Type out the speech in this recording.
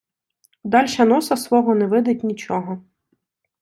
Дальше носа свого не видить нічого.